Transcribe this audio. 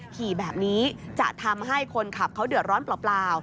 ขี่แบบนี้จะทำให้คนขับเขาเดือดร้อนเปล่า